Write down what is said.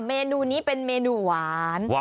เมนูนี้เป็นเมนูหวาน